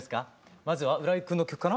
まずは浦井君の曲かな？